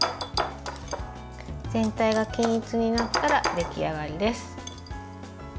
全体が均一になったら出来上がりです。